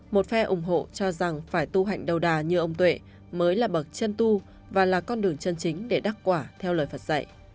một phe ủng hộ cho rằng phải tu hạnh đầu đà như ông tuệ mới là bậc chân tu và là con đường chân chính để đắc quả theo lời phật dạy